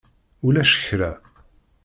Ulac kra.